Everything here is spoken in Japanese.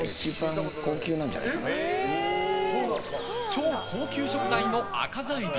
超高級食材のアカザエビ。